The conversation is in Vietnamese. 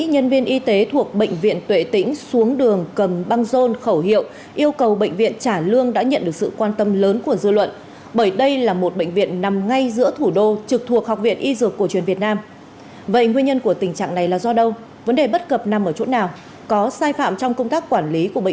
hãy đăng ký kênh để ủng hộ kênh của mình nhé